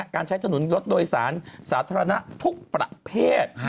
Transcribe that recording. การใช้ถนนรถโดยสารสาธารณะทุกประเภท